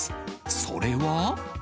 それは。